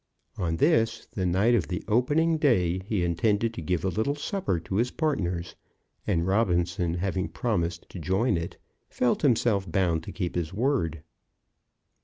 On this, the night of the opening day, he intended to give a little supper to his partners; and Robinson, having promised to join it, felt himself bound to keep his word.